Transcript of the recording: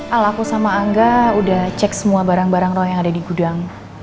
kalau aku sama angga udah cek semua barang barang roh yang ada di gudang